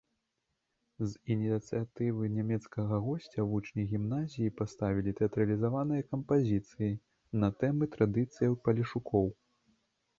З ініцыятывы нямецкага госця вучні гімназіі паставілі тэатралізаваныя кампазіцыі на тэмы традыцыяў палешукоў.